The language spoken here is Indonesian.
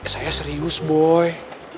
saya serius boy